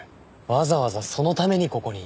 わざわざそのためにここに？